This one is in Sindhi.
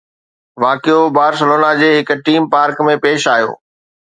واقعو بارسلونا جي هڪ ٿيم پارڪ ۾ پيش آيو